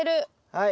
はい。